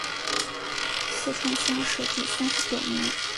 四川乡试第三十九名。